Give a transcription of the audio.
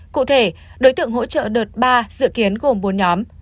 cụ thể đối tượng hỗ trợ đợt ba dự kiến gồm bốn nhóm